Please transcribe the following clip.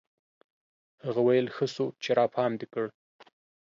هغه ويل ښه سو چې راپام دي کړ.